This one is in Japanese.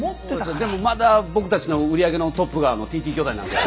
でもまだ僕たちの売り上げのトップがＴＴ兄弟なので。